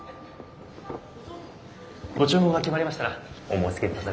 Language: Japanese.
ご注文が決まりましたらお申しつけくださりませ。